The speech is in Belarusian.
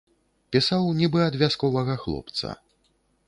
Пісаў нібы ад вясковага хлопца.